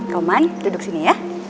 roman duduk sini ya